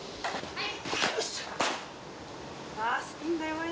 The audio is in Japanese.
はい。